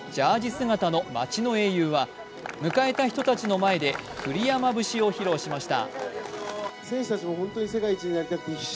姿の町の英雄は迎えた人たちの前で栗山節を披露しました。